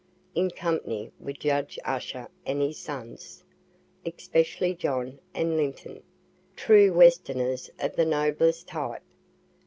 in company with Judge Usher and his sons, (especially John and Linton,) true westerners of the noblest type.